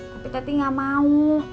tapi tati gak mau